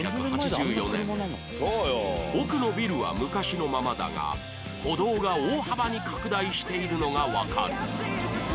奥のビルは昔のままだが歩道が大幅に拡大しているのがわかる